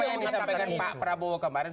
saya kira apa yang disampaikan pak prabowo kemarin